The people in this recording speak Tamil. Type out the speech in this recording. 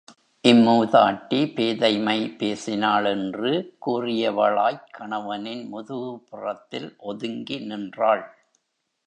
இம்மூதாட்டி பேதைமை பேசினாள் என்று கூறியவளாய்க் கணவனின் முதுகுபுறத்தில் ஒதுங்கி நின்றாள்.